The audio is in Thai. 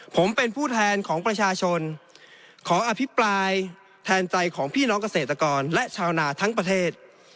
ผมเป็นผู้แทนของประชาชนขออภิปรายแทนใจของพี่น้องเกษตรกรและชาวนาทั้งประเทศ